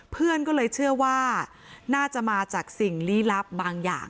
เพื่อนก็เลยเชื่อว่าน่าจะมาจากสิ่งลี้ลับบางอย่าง